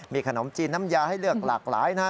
มีขนมจีนน้ำยาให้เลือกหลากหลายนะฮะ